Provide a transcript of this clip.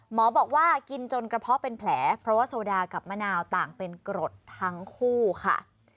หมอบอกว่ากินจนกระเพาะเป็นแผลเพราะว่าโซดากับมะนาวต่างเป็นกรดทั้งคู่ค่ะ